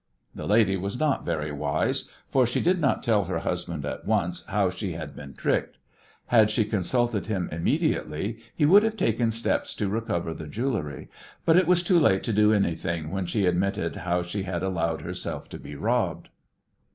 That lady was not very wise, for she did not tell her husband at once how she had been tricked. Had she consulted him immediately he would have taken steps to recover the jewellery, but it was too late to do anything when she admitted how she had allowed herself to be robbed.